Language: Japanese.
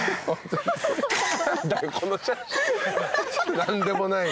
何でもない。